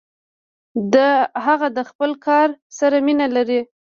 هغه د خپل کار سره مینه لري.